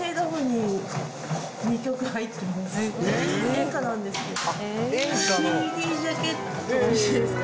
演歌なんですけど。